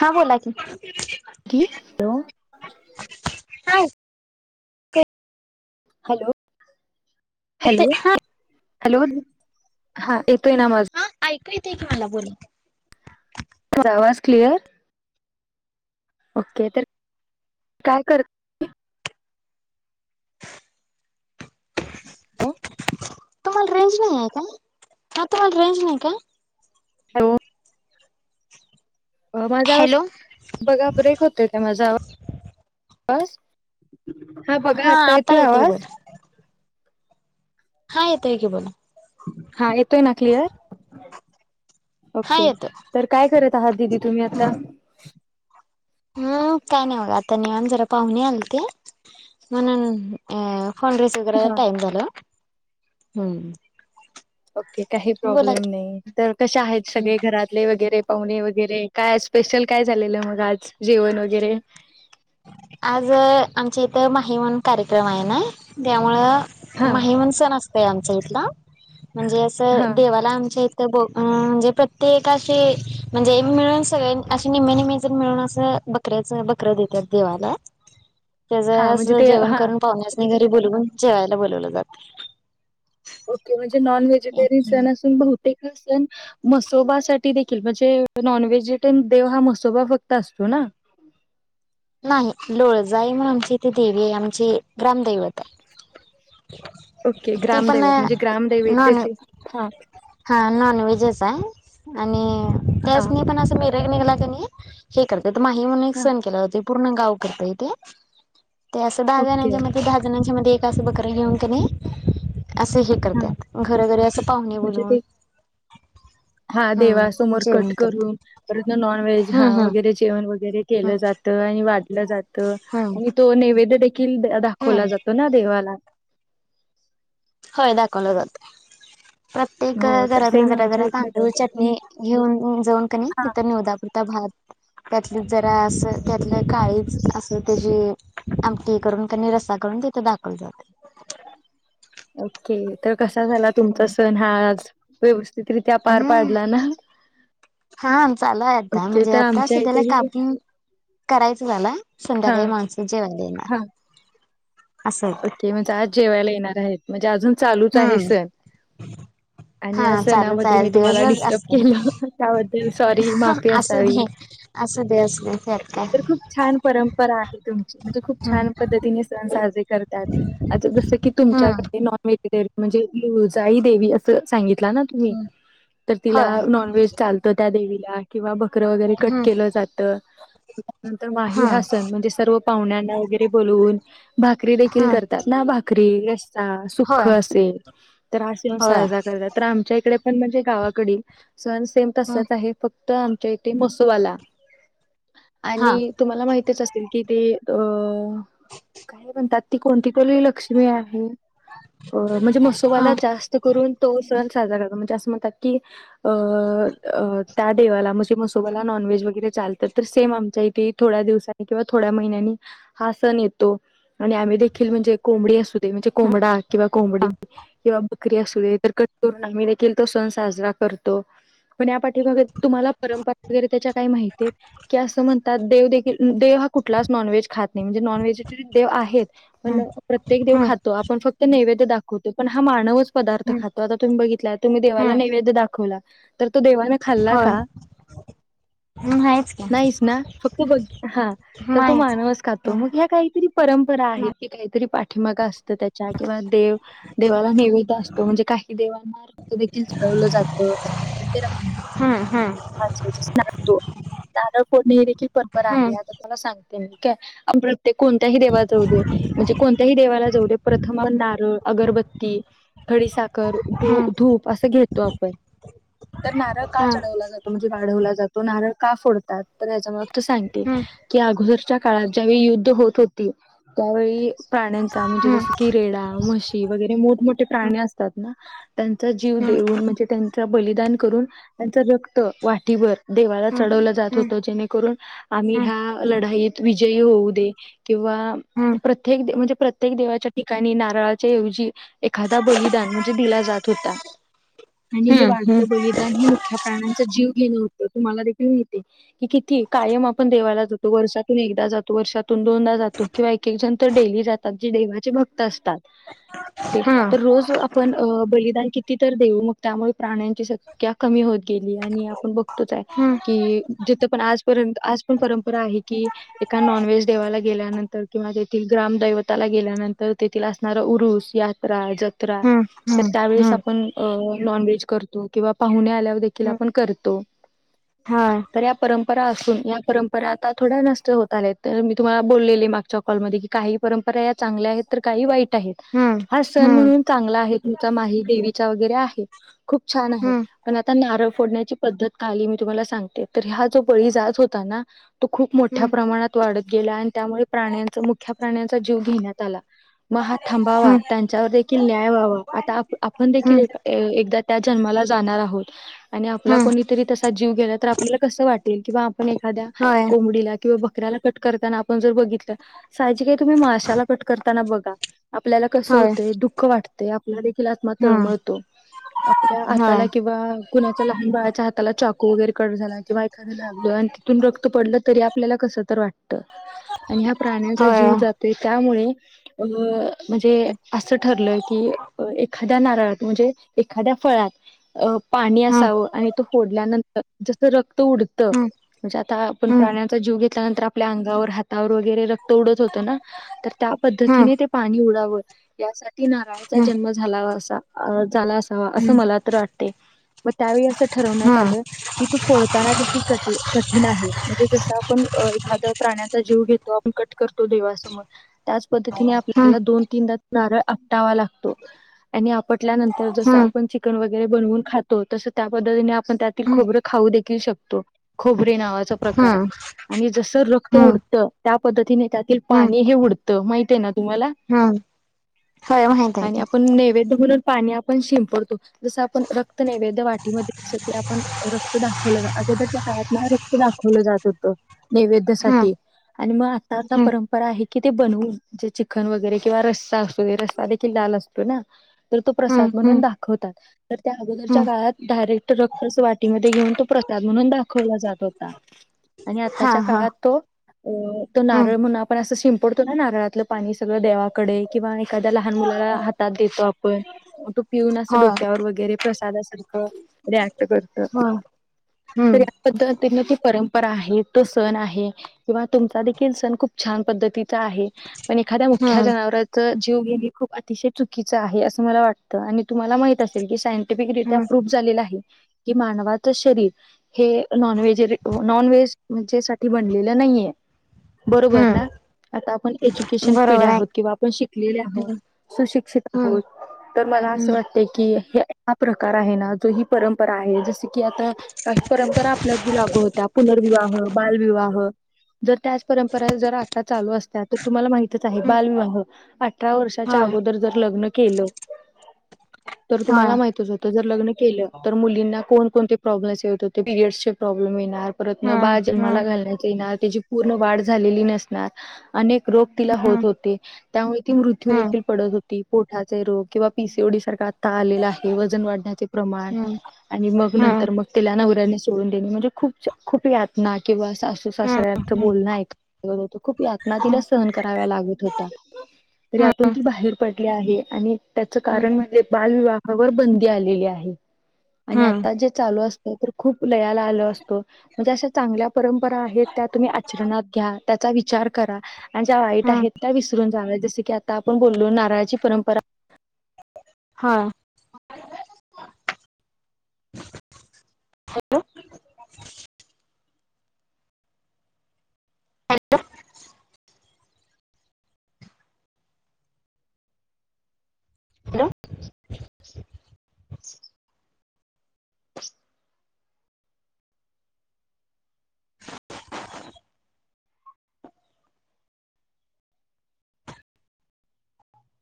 हा बोला की क हा येते हॅलो हॅलो हा हॅलो हा येतोय ना माझ हा ऐकू येत की मला बोल आवाज क्लिअर ओके तर काय कर तुम्हाला रेंज नाही आहे काय? हा तुम्हाला रेंज नाही का? [unintelligible] माझा आवाज हॅलो बघा, ब्रेक होतोय का माझा आवाज? हा बघा आता येतोय आवाज? हा येतंय कि बोला. हा येतोय ना क्लिअर? हा ओके. येतो काय करत आहात दिदी तुम्ही आता? हम काय नाही बघा आता निवांत जरा, पाहुणे आलते. म्हणुन फोन रिसीव करायला हा टाइम झालं. ओके, काही बोला प्रॉब्लेम नाही. तर कशा आहेत की सगळे घरात? तले वगैरे, पाहुणे वगैरे. काय स्पेशल काय झालेलं मग आज जेवण वगैरे? आज आमच्या इथं माहीमान कार्यक्रम आहे ना, त्यामुळं हा माहीमन सण असतंय आमच्या इथला. म्हणजे हा असं देवाला आमच्या इथ म्हणजे प्रत्येकाशी, म्हणजे मिळून सगळे अशे निम्मे निम्मे मिळून असं बघ बकऱ्याचं बकरं देतात देवाला, हा त्याचं म्हणजे असं ते जेवण हा करून पावण्यास घरी बोलवून जेवायला बोलवलं जातं. ओके म्हणजे नॉन व्हेजिटेरियन सण असून, बहुतेक हा सण म्हसोबासाठी देखील म्हणजे नॉन व्हेजिटेयन देव हा म्हसोबा फक्त असतो ना. नाही लोळजाई म्हणूनची ती देवीये आमची ग्रामदैवत. आहे ओके ती पण ग्रामदैवत म्हणजे नॉन ग्रामदैवताची हा हा नॉनव्हेजच आहे, आणि हां, त्यासनी पण असं मिरग निघला का नाही हे करतंय तर माही म्हणून एक हां. सण केला जातोय, पूर्ण गाव करतंय ते. ते असं दहा ओके. जणांच्या मध्ये, दहा जणांच्या मध्ये एक असं बकरं घेऊन का नही असं हे करत्यात घरोघरी असं पाहुणे बोलवून हा हम्म देवासमोर कट जेवण करून करतात परंत नॉनव्हेज हा हम्म हम्म वगैरे जेवण वगैरे हम्म केलं जातं आणि वा जातं हम्म आणि तो नैवेद्य देखील दाखवला हम्म जातो ना देवाला. होय दाखवला जाततोय, प्रत्येक हो, तर घरातनं सेम जरा आमच्या जरा इकडे पण तांदूळ चट णी घेऊन जाऊन कनी हां, तिथ निवदापुरता भात त्यात जरा असं, त्यातलं काळीज असं ते जे आमटी करून, कनी रसा करून, तिथे दाखवलं जातंय. ओके तर कसा झाला तुमचा सण हा आज? व्यवस्थितरित्या पार हम्म पाडला ना? हा चालूये आता, ओके म्हणजे तर आता आमच्या सध्याला इथेही कापून करायचं झालं, हा संध्याकाळी माणसं जेवायला हा येणार असं. होतं. ओके म्हणजे आज जेवायला येणार आहेत, म्हणजे अजून चालूच आहे हम्म सण. आणि हा या चालूच सणामध्ये आहे मी तुम्हाला दिवसभर डिस्टर्ब असतंय केलं, त्याबद्दल सॉरी माफी असू असावी. दे. असू द्या, असू द्या तर खूप छान परंपरा आहे तुमची, म्हणजे खूप हम्म छान पद्धतीने सण साजरे करता. जसं की हम्म तुमच्याकडे नॉन व्हेजिटेरियन म्हणजे लोळजाई देवी असं सांगितला ना [unintelligible] तर तिला होय नॉन व्हेज चालतं त्या देवीला. किंवा बकरं वगैरे कट हम्म केलं जातं. नंतर माही हा हम्म सण म्हणजे सर्व पाहुण्यांना वगैरे बोलवून, भाकरी देील हम्म ना भाकरी, रस्सा, होय सुक्खं असेल तर हा सण होय साजरा करतात. तर आमच्या इकडे पण म्हणजे गावाकडे, सण सेम हम्म तसंच आहे फक्त तर आमच्या इथे म्हसोवाला हा आणि तुम्हाला माहितच असतीलल की ते अ काय म्हणतात. ती कोणती कली लक्ष्मी आहे अ म्हणजे हा मसोबाला जास्त. स्त करून तो सण साजरा करतो म्हणजे असं म्हणतात की, अ अ त्या देवाला म्हणजे मसोबाला नॉनव्हेज वगैरे चालतात तर सेम आमच्या इथे. थोड्या दिवसाांनी किंवा थोड्या महिन्यानी हा सण येतो आणि आम्ही. देखील म्हणजे कोंबडी असू दे म्हणजे कोंबडा किंवा कोंबडी ह किंवा. बकरी असू दे तर कटून आम्ही देखील तो सण साजरा करतो. पण या पाठमाग तुम्हाला परंपरा वगैरे त्याच्या काही माहितीत. की, असं म्हणतात देव देखील देव हा कुठलाच नॉनव्हेज खात नाही म्हणजे नॉनव्हेज देव आहेत. पण प्रत्येक देव ह खातो आपण फक्त नैवेद्य दाखवतो पण हा मानवच. पदार्थ खातो आता तुम्ही बघितला तुम्ही देवाला ह नैवेद्य दाखवला तर तो देवाने खाल्ला का? मग नाहीच की, नाहीच ना फक्त बघ हा तर तो माहीच मानवस खातो मग ह्या काहीतरी. परंपरा आहेत. की, काहीतरी पाठीमागा असत त्याच्या किंवा देव देवाला निवेद असतो म्हणजे काही देवांना. ते देखील चढवलं जातं. हम्म हम्म, [inaudible] तो नारळ पोर्णे देखील पर्पल आहे हम्म त्याला सांगतील काय आपण. ते कोणत्याही देवा जाऊ दे म्हणजे कोणत्याही देवाला जाऊ दे प्रथम नारळ अगरबत्ती. खडी साखर धू हम्म धूप. असं घेतो आपण तर नारळ का हा चढवला जातो म्हणजे वाढवला जातो नारळ का फोड''--'' तात पण याच्या मागचं हम्म सायंटि''--'' की, अगोदरच्या काळात ज्यावेळी युद्ध होत होती त्यावेळी. प्राण्यांचा म्हणजे हम्म जस की, रेडा म्हशी वगैरे मोठमोठे प्राणी असतात ना. त्यांचा जीव हम्म देऊन म्हणजे त्यांच बलिदान करून त्यांच रक्त वाटठीभर. देवाला चढवलं जात होतं जेणेकरून आम्ही ह्या. लढाईत विजयी होऊ दे किंवा प्रत्य''--'' त्येक म्हणजे प्रत्येक देवाच्या ठिकाणी नारळाच्याऐवजी. एखादा बलिदान म्हणजे दिला जात होता आणि हम्म हम्म हे हम्म हम्म हम्म वाढतं बलिदान हे मुख्य प्राणा''--' चा जीव घेतो तुम्हाला देखील माहिती आहे की किती कायम आपण देवाला जातो वर्षातून एक जातो. वर्षातून दोनदा जातो किंवा एक एक जण तर डेली जातात जी देवाचे भक्त असतात. ते तर रोज आप''--'' पण अ बलिदान किती तर देऊ मग त्यामुळे प्राण्यांची संख्या कमी होत गेली. ते आणि आपण बघतोच हाय की जिथ पण आजपर्यंत आज पण परंपरा आहे. की, एका नॉनव्हेज देवाला गेल्यानंतर किंवा तेथील ग्रामदैवताला गेल्यानंतर तेथील असणार उरुस या. रा जत्रा तर हम्म हम्म हम्म हम्म त्यावेळेस हम्म हम्म आपण. अ नॉन व्हेज करतो किंवा पाहुणे आल्यावर देखील आपण करतो. हा, तर या परंपरा असून या परंपरा आता थोड्या नष्ट होत. आल्या तर मी तुम्हाला बोललेली मागच्या कॉलमध्ये की. काही परंपरा या चांगल्या आहेत तर काही वाईट आहेत. हम्म हा सण हम्म म्हणून चांगला आहे तुमचा माही देवीचा वगैरे आहे. खूप छान आहे हम्म पण आता नारळ. फोडन्याची पद्धत आलि मी तुम्हाला सांगते. तर हा जो बळी जात होता ना तो खूप मोठ्या हम्म प्रमाणात. वाढत गेला आणि त्यामुळे प्राण्यांचा मुख्या प्राण्यांचा जीव घेण्यात आला. म हा हम्म हम्म थांबावा. त्यांच्यावर देखील न्याय व्हावा. आता आप - आपण देखील हम्म एक ए -एकदा त्या जन्माला जाणार आहोत आणि आपला हम्म कोणीतरी तस जीव गेला तर आपल्याला कस वाटेल किंवा आपण एखाद्या होय कोंबडीला किंवा बकऱ्याला कट करताना आपण जर बघितलं. साहजिक आहे तुम्ही माशाला कट करताना बघा. आपल्याला कसं होय होतंय? दुःख वाट तय. आपला देखील आत्मा हम्म तळमळतो. आपल्या होय हाताला किंवा च्या लहान बाळाच्या हाताला चाकू वगैरे कट झाला किंवा एखाद लागल आणि तिथून रक्त पडलं तरी आपल्याला कसं तर वाटत. आणि ह्या प्राण्यांचा होय जीव जातोय. त्यामुळे अ म्हणजे असं ठरलं की एखाद त्या नारळात म्हणजे एखाद्या फळात अ पाणी हम्म असावं. आणि तो फोडल्यानंतर जस रक्त उडत हम्म म्हणजे आता हा आपण हम्म प्राण्यांचा जीव घे त्यानंतर आपल्या अंगावर हातावर वगैरे रक्त उडत होत ना? तर त्या हम्म पद्धतीने ते पाणी उडाव. यासाठी नारळाचा जन्म झालावा असा. झाला अस अ असं हम्म मला तर वाटतय. मग त्यावेळी असं ठरवण्यात हम्म आलं. कि तो फोडताना देखील कठी कठीण आहे. म्हणजे जस आपण एखाद प्राण्याचा जीव घेत तो आपण कट करतो देवा समोर. त्याच पद्धतीने हम्म आपल्याला दोन तीनदा नारळ आपटावा लागतो आणि आपटल्यानंत तर जसं हम्म आपण चिकन वगैरे बनवून खात तो तस त्या पद्धतीने आपण त्यातिल हम्म खोबरं खाऊ देखील शकतो. खोबरे नावाच प्रकार हम्म आहे आणि जस रक्त हम्म उडत त्या पद्धतीने त्यातिल हम्म पाणी हे उडत. त माहती आहे ना तुम्हाला? हम्म होय माहित आहे आणि की आपण नैवेद म्हणून पाणी आपण शिंपडतो. जस आपण रक्त क्त नैवेद्य वाटीमध्ये जस की आपण रक्त दाखवलं. अगोदरच्या काळात ना रक्त दाखवलं जात होतं. हम्म नैवेद्यासाठी आणि मग आता आता हम्म परं परा आहे कि ते बनवून जे चिकन वगैरे किंवा रस्सा असतो ते रस्सा देखील लाल असतो ना? तर तो हम्म प्रसाद म्हणून हम्म दाखवतात. तर त्या अगोदर हम्म डायरेक्ट रक्तच वाटीमध्ये घेऊन तो प्रसाद म्हणून दाखवला जात होता. आणि हा आताच्या हा काळात तो अ तो हम्म नारळ म्हणून आपण असं शिंप पडतो ना नारळातलं पाणी सगळं देवाकडे किंवा एखाद्या लहान मुलाला हातात देतो आपण मग तो पिऊन असं होय डोक्यावर वगैरे प्रसादासारखं रिॲक्ट कर त. होय तर हम्म या पद्धतीने ती परंपरा आहे तो सण आहे. किंवा तुमचा देखील सण खूप छान पद्धतीचा आहे. पण एखाद्या मुख्या हम्म जनावरांच जीव घेण. हे खूप अतिशय चुकीचं आहे. असं मला वाटत. आणि तुम्हाला माहित असेल की सायंटिफिकरित्या हम्म प्रूफ झालेलं आहे. की मानवाचं शरीर हे नॉन व्हेजरी -नॉन व्हेज म्हणजे साठी बनलेलं नाहीयय. बरोबर ना? हम्म आता आपण एज्युकेशन पिढी बरोबर आहे आहोत किंवा आपण शिकलेले आहोत. हम्म सुशिक्षित हम्म आहोत तर मला असं हम्म वाटते की हे हा प्रकार कार आहे ना. जो ही परंपरा आहे. जस की आता काही परंपरा आपल्यात बी लागू होत्या पुनर्विवाह, बालविवाह जर त्याच परंपरा जर आता चालू असत्या, तर तुम्हाला माहितच आहे, हम्म बालविवाह अठरा वर्षाच्या होय अगोदर जर लग्न केलं, तर तुम्हाला होय माहितच होत तर जर लग्न केलं, तर मुलींना कोण - कोणते प्रॉब्लेम्स येत होते. पिरियडसचे प्रॉब्लेम येणार. परत न बाळ हम्म जन्माला हम्म घालण्यात येणार. त्याची पूर्ण वाढ झालेली नसणार. अनेक रोग तिला होत हम्म होते. त्यामुळे ती मृत्यू देखील पडत होती. पोटाचे रोग किंवा पीसीओडी सारखा आता आलेला आहे. वजन वाढण्याचे प्रमाण, हम्म आणि मग, हम्म नंतर मग. तिला नवऱ्यानी सोडून देणे. म्हणजे, खूप -खूप यातना किंवा सासू हम्म सासऱ्यांचं बोलणं एक. खूप यातना, तिला हम्म सहन कराव लागत होत्या. हम्म यातून ती बाहेर पडली आहे, आणि त्याचं कारण म्हणजे बालविवाहावर बंदी. बंदी आलेली आहे, आणि हम्म आता जर चालू असत तर, खूप लयाला आलो असतो. म्हणजे अशा चांगल्या परंपरा आहेत, त्या तुम्ही आचरणात घ्या, त्याचा विचार करा. आणि ज्या वाईट हम्म आहेत, त्या विसरून जाव्या, जस की आता आपण बोललो, नारळाची परंपरा. हा. Hello hello